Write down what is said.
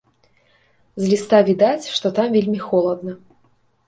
З ліста відаць, што там вельмі холадна.